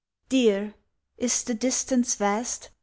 _Dear! Is the distance vast?